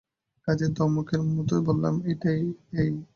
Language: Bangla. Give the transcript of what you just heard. কাজেই ধমকের মতো বললাম, এ্যাই, এ্যাই।